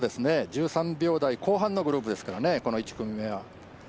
１３秒台後半のグループですからね、この１組目は。